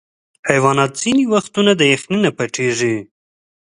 حیوانات ځینې وختونه د یخني نه پټیږي.